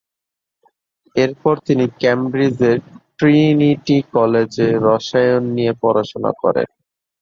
এরপর তিনি কেমব্রিজের ট্রিনিটি কলেজে রসায়ন নিয়ে পড়াশোনা করেন।